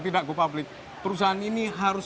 tidak go public perusahaan ini harus